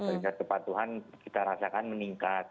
tingkat kepatuhan kita rasakan meningkat